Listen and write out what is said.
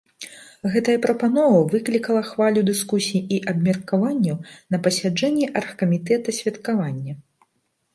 Гэтая прапанова выклікала хвалю дыскусій і абмеркаванняў на пасяджэнні аргкамітэта святкавання.